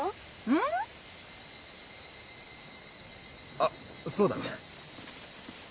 あっそうだ。